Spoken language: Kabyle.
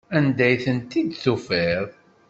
Anda ay tent-id-tufiḍ?